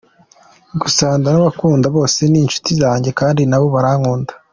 Gusa ndanabakunda bose ni inshuti zanjye kandi nabo barankunda.